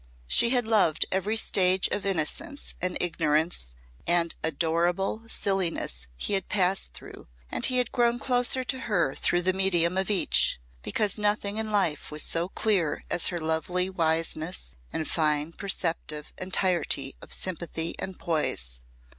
She had loved every stage of innocence and ignorance and adorable silliness he had passed through and he had grown closer to her through the medium of each, because nothing in life was so clear as her lovely wiseness and fine perceptive entirety of sympathy and poise.